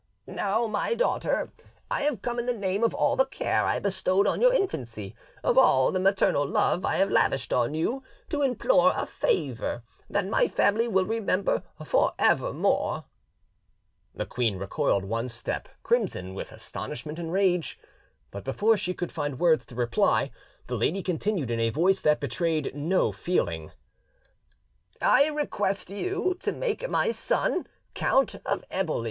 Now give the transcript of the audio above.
"Now, my daughter, I have come in the name of all the care I bestowed on your infancy, of all the maternal love I have lavished on you, to implore a favour that my family will remember for evermore." The queen recoiled one step, crimson with astonishment and rage; but before she could find words to reply, the lady continued in a voice that betrayed no feeling— "I request you to make my son Count of Eboli."